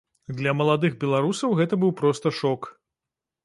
Для маладых беларусаў гэта быў проста шок.